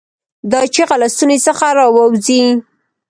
دا چیغه له ستونې څخه راووځي.